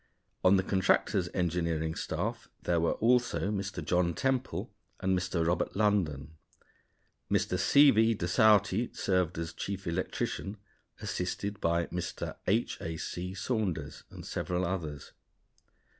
On the contractors' engineering staff there were also Mr. John Temple and Mr. Robert London. Mr. C. V. de Sauty served as chief electrician, assisted by Mr. H. A. C. Saunders and several others.